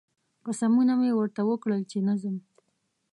قسمونه مې ورته وکړل چې نه ځم